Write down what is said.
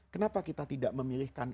kenapa kita tidak memilihkan